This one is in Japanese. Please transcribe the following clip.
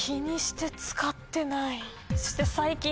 そして。